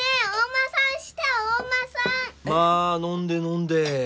まあ飲んで飲んで。